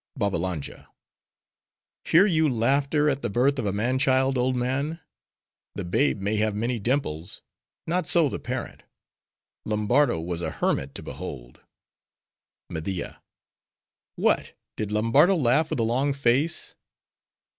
BABBALANJA—Hear you laughter at the birth of a man child, old man? The babe may have many dimples; not so, the parent. Lombardo was a hermit to behold. MEDIA—What! did Lombardo laugh with a long face?